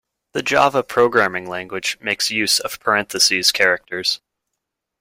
The Java programming language makes use of parentheses characters.